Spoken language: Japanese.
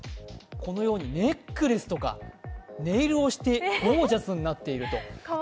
このようにネックレスとかネイルをしてゴージャスになっていると。